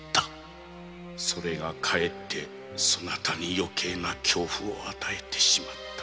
「それがかえってそなたに余計な恐怖を与えてしまった」